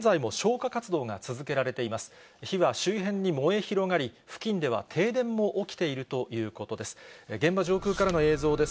火は周辺に燃え広がり、付近では停電も起きているということです。